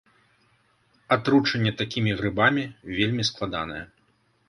Атручэнне такімі грыбамі вельмі складанае.